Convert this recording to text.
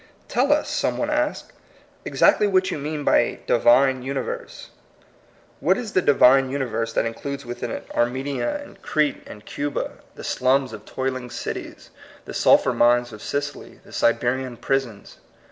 "Tell us," some one asks, "ex actly what you mean by a Divine uni verse." What is the Divine universe that includes within it Armenia and Crete and 50 THE Coming people. Cuba, the slums of toiling cities, the sul« phur mines of Sicily, the Siberian prisons?